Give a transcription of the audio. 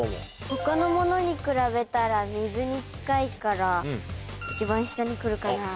他のものに比べたら水に近いから一番下に来るかなとか。